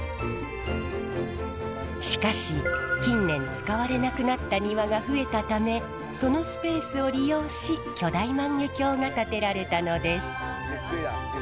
しかし近年使われなくなった庭が増えたためそのスペースを利用し巨大万華鏡が建てられたのです。